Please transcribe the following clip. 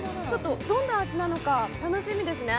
どんな味なのか楽しみですね。